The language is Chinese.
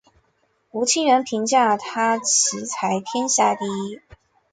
吴清源评价他棋才天下第一。